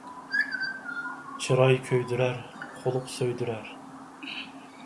چىراي كۆيدۈرەر، خۇلق سۆيدۈرەر